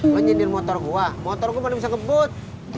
lo nyedir motor gua motor gua mana bisa ngebut